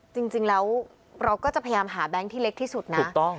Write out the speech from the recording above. จริงแล้วเราก็จะพยายามหาแบงค์ที่เล็กที่สุดนะถูกต้อง